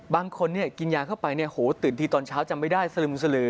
บางคนกินยาเข้าไปตื่นทีตอนเช้าจำไม่ได้สลึมสลือ